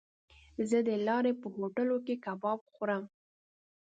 زه د لارې په هوټلو کې کباب خورم.